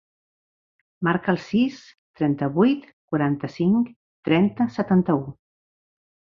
Marca el sis, trenta-vuit, quaranta-cinc, trenta, setanta-u.